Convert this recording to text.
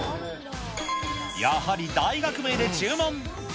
やはり大学名で注文。